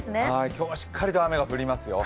今日はしっかりと雨が降りますよ。